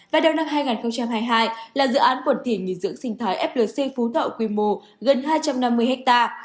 và đầu năm hai nghìn hai mươi hai là dự án quần thể nghỉ dưỡng sinh thái flc phú thọ quy mô gần hai trăm năm mươi ha